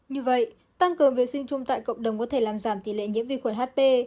như vậy tăng cường vệ sinh chung tại cộng đồng có thể làm giảm tỷ lệ nhiễm vi khuẩn hp